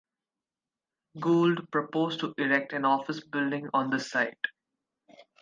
Gould proposed to erect an office building on the site.